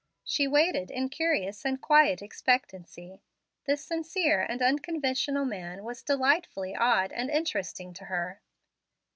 She waited in curious and quiet expectancy. This sincere and unconventional man was delightfully odd and interesting to her.